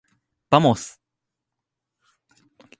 ばもす。